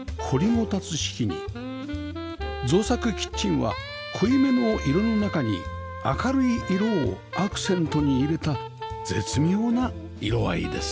造作キッチンは濃いめの色の中に明るい色をアクセントに入れた絶妙な色合いです